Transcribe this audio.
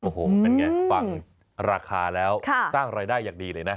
หอนั่นไงฟังราคาแล้วตั้งรายได้อย่างดีเลยน่ะ